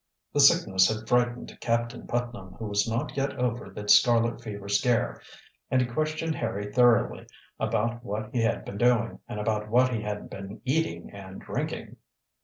The sickness had frightened Captain Putnam, who was not yet over the scarlet fever scare, and he questioned Harry thoroughly about what he had been doing, and about what he had been eating and drinking.